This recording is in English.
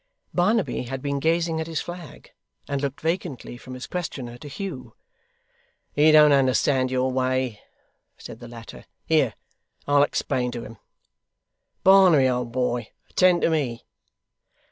Barnaby had been gazing at his flag, and looked vacantly from his questioner to Hugh. 'He don't understand your way,' said the latter. 'Here, I'll explain it to him. Barnaby old boy, attend to me.